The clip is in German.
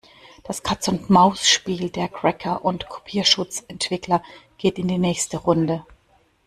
Das Katz-und-Maus-Spiel der Cracker und Kopierschutzentwickler geht in die nächste Runde.